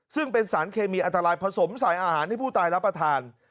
ซึ่งเป็นสารเคมีอันตรายผสมใส่อาหารให้ผู้ตายรับประทาน